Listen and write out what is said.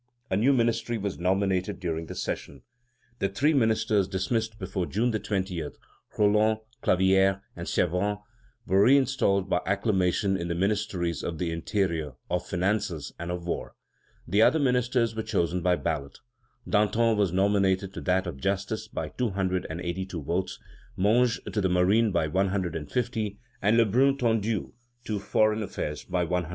A new ministry was nominated during the session. The three ministers dismissed before June 20 Roland, Clavière, and Servan were reinstalled by acclamation in the ministries of the Interior, of Finances, and of War. The other ministers were chosen by ballot: Danton was nominated to that of Justice by 282 votes, Monge to the Marine by 150, and Lebrun Tondu to Foreign Affairs by 100.